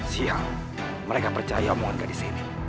siang mereka percaya om angga disini